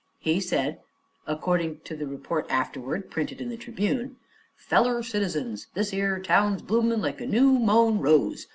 He said, according to the report afterward printed in the Tribune: "Feller Citizens! This 'ere town's bloomin' like a new mown rose.